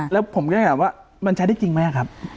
แล้วผมก็ถามว่ามันใช้ได้จริงไหมครับ